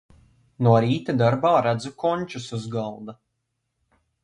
No rīta darbā redzu končas uz galda.